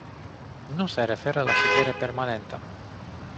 Nu se referă la ședere permanentă.